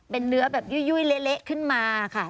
เป็นเนื้อแบบยุ้ยเละขึ้นมาค่ะ